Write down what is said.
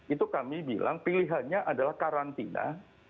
itu kami bilang pilihannya adalah karantina